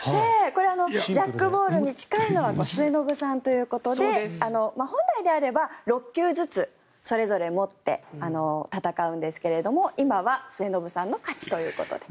これジャックボールに近いのは末延さんということで本来であれば６球ずつそれぞれ持って戦うんですが今は末延さんの勝ちということで。